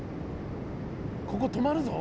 ここ止まるぞ。